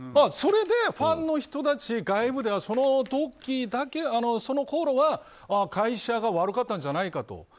それで、ファンの人たちや外部の人はそのころは会社が悪かったんじゃないかと。